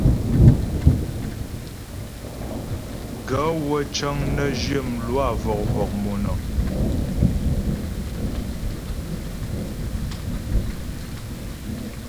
Gaə̂ wə́ cəŋ nə zhyə mlwâ vɔ̀k-vɔ̀k monaə́ŋ.